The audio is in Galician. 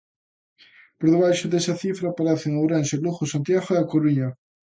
Por debaixo desa cifra aparecen Ourense, Lugo, Santiago e A Coruña.